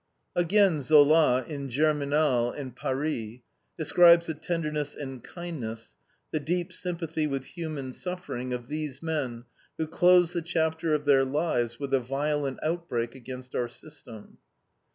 Again Zola, in GERMINAL and PARIS, describes the tenderness and kindness, the deep sympathy with human suffering, of these men who close the chapter of their lives with a violent outbreak against our system.